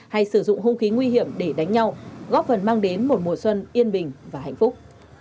hay sử dụng hung khí nguy hiểm để đánh nhau góp phần mang đến một mùa xuân yên bình và hạnh phúc